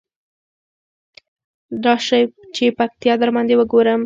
راشی چی پکتيا درباندې وګورم.